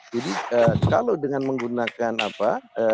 jadi kalau dengan menggunakan apa